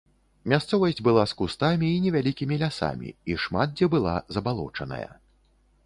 Мясцовасць была з кустамі і невялікімі лясамі і шмат дзе была забалочаная.